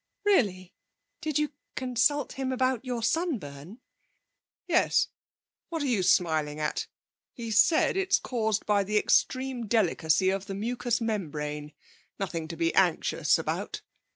'Really did you consult him about your sunburn?' 'Yes. What are you smiling at, He said it's caused by the extreme delicacy of the mucous membrane; nothing to be anxious about.'